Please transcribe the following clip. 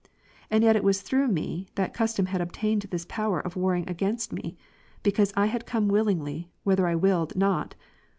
And yet it was through me, that custom had obtained this power of warring against me, be cause I had come willingly, whither I willed not.